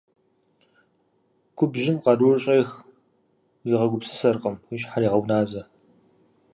Губжьым къарур щӀех, уигъэгупсысэркъым, уи щхьэр егъэуназэ.